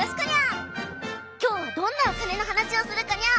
今日はどんなお金の話をするかにゃあ？